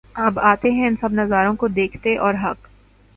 اب آتے ہیں ان سب نظاروں کو دیکھتے اور حق